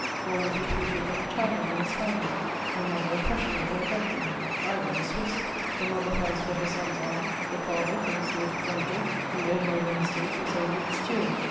One was reputed an Italian or a Spaniard, another a Prussian or a Dutchman: I was a Swiss. The mother passed for her son's aunt, the father for his daughter's uncle; the owner of an estate was only its steward.